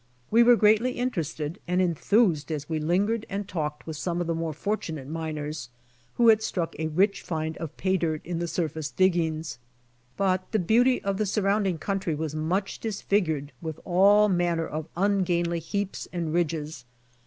We were greatly interested and enthused as we lingered and talked with some of the more fortunate miners who had struck a rich find of pay dirt in the surface diggings. But the beauty of the surrounding country was much dis figured with all manner of ungainly heaps and ridges.